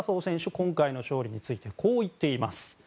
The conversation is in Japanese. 今回の勝利についてこう言っています。